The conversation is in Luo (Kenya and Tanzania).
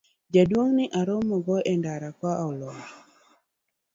jaduong' ni aromogo e ndara ka olwar